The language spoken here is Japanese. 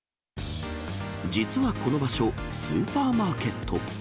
実はこの場所、スーパーマーケット。